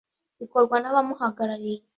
Bikorwa n ‘abamuhagarariye.